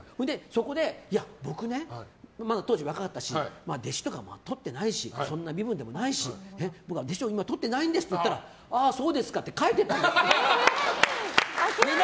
それで僕ね、当時若かったし弟子とかもとってないしそんな身分でもないし僕は弟子を今とってないんですって言ったらああ、そうですかって帰っていったんですよ。